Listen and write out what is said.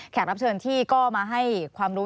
รับเชิญที่ก็มาให้ความรู้